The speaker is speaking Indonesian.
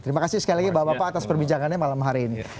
terima kasih sekali lagi bapak bapak atas perbincangannya malam hari ini